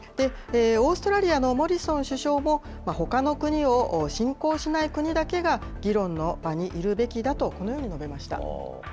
オーストラリアのモリソン首相も、ほかの国を侵攻しない国だけが議論の場にいるべきだと、このように述べました。